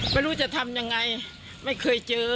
ไม่รู้จะทำยังไงไม่เคยเจอ